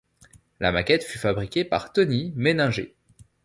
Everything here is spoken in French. La maquette fut fabriquée par Tony Meininger.